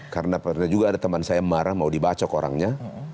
karena pernah juga ada teman saya marah mau dibacok orangnya